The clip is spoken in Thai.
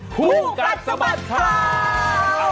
ผู้กัดสบัติครับ